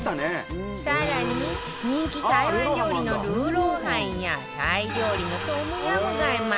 更に人気台湾料理のルーロー飯やタイ料理のトムヤムガイまで